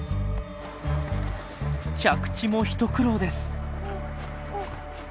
着地も一苦労です。